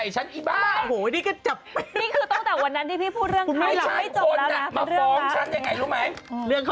มันก็บอกว่าคุณแม่ไม่จริง